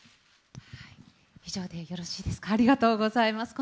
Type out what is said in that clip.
以上でよろしいですか。